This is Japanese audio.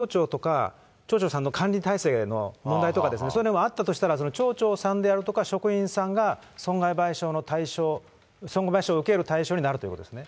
最終的には、国がこのお金を弁済しなきゃいけない、いや、例えば、例えば町長とか、町長さんの管理体制の問題とかがそういうのもあったとしたら、町長さんであるとか職員さんが損害賠償の対象、損害賠償受ける対象になるということですね。